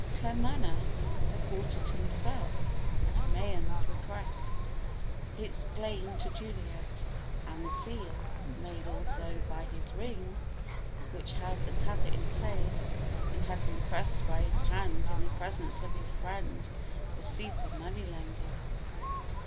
Claremanagh had bought it himself, at Mayen's request, he explained to Juliet; and the seal (made also by his ring) which held the cover in place had been pressed by his hand in the presence of his friend, the "super money lender."